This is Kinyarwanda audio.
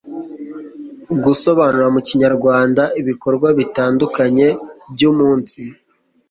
gusobanura mu kinyarwanda ibikorwa bitangukanye by'umunsi